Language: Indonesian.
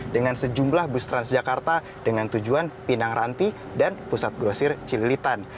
dengan sejumlah bus transjakarta dengan tujuan pinang ranti dan pusat grosir cililitan